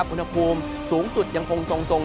อุณหภูมิสูงสุดยังคงทรง